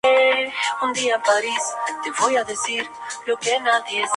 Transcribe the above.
Convirtió su primer gol en su cuarto partido con la "lepra" contra Boca Unidos.